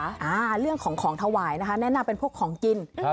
อ่าเรื่องของของถวายนะคะแนะนำเป็นพวกของกินครับ